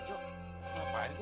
jangan lari lo